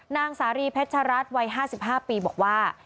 นางสารีเพชรัตน์วัย๕๕ปีบอกว่า